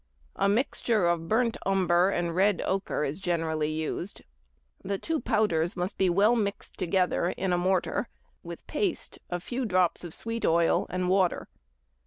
A mixture of burnt umber and red ochre is generally used. The two powders must be well mixed together in a mortar with paste, a few drops of sweet oil, and water.